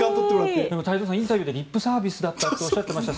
太蔵さん、インタビューでリップサービスだっておっしゃっていました。